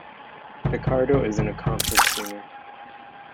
Picardo is an accomplished singer.